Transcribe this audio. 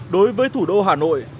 đối với thủ đô hà nội